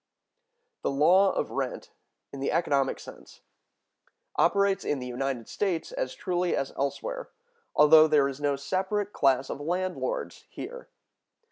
The law of rent, in the economic sense, operates in the United States as truly as elsewhere, although there is no separate class of landlords here.